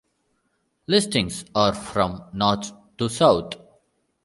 Listings are from north to south.